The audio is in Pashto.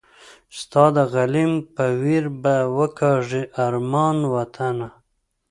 ستا د غلیم په ویر به وکاږي ارمان وطنه